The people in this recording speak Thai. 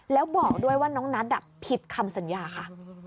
แล้วบอกด้วยว่าน้องนัทผิดคำสัญญาค่ะ